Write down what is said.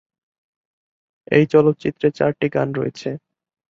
এই চলচ্চিত্রে চারটি গান রয়েছে।